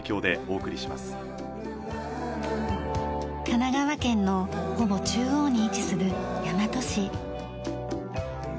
神奈川県のほぼ中央に位置する大和市。